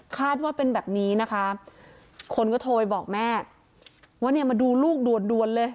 ว่าเป็นแบบนี้นะคะคนก็โทรไปบอกแม่ว่าเนี่ยมาดูลูกด่วนด่วนเลย